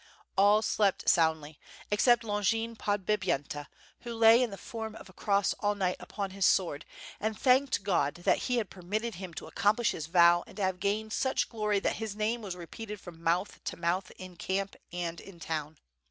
All slept soundly, except Longin Podbipyenta, who lay in the form of a cross all night upon his sword, and thanked God that he had permitted him to accomplish his vow and to have gained such glory that his name was repeated from mouth to mouth in camp and town.